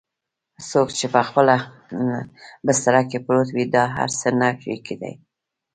څوک په خپله بستره کې پروت وي دا هر څه نه شي کیدای؟